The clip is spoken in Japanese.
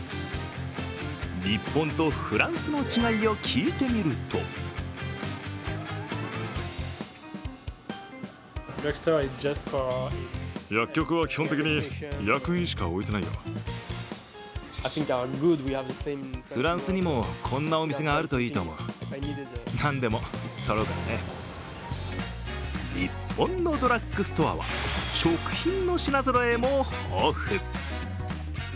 日本とフランスの違いを聞いてみると日本のドラッグストアは食品の品ぞろえも豊富。